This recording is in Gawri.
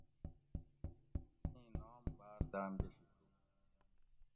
اِیں نام باۤر داۤم گۤشی تھُو